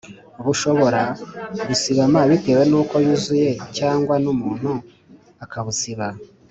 bushobora gusibama bitewe n’uko yuzuye cyangwa n’umuntu akabusiba